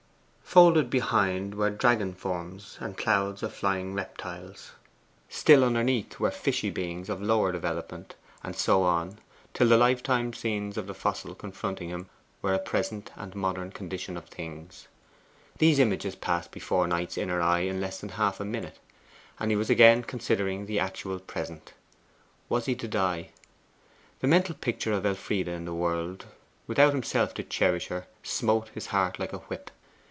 Folded behind were dragon forms and clouds of flying reptiles: still underneath were fishy beings of lower development; and so on, till the lifetime scenes of the fossil confronting him were a present and modern condition of things. These images passed before Knight's inner eye in less than half a minute, and he was again considering the actual present. Was he to die? The mental picture of Elfride in the world, without himself to cherish her, smote his heart like a whip.